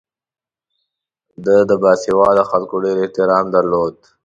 ده د باسواده خلکو ډېر احترام درلود.